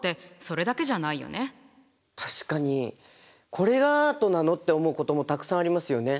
「これがアートなの？」って思うこともたくさんありますよね。